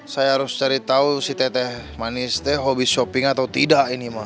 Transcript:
saya harus cari tahu si teteh manis teh hobi shopping atau tidak ini mah